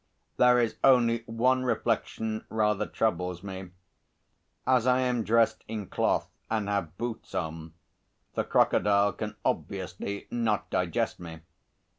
There is only one reflection rather troubles me: as I am dressed in cloth and have boots on, the crocodile can obviously not digest me.